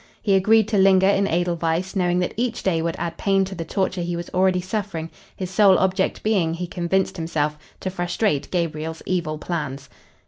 He agreed to linger in Edelweiss, knowing that each day would add pain to the torture he was already suffering, his sole object being, he convinced himself, to frustrate Gabriel's evil plans.